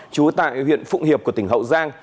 chú tại huyện phụng hiệp của tỉnh hậu giang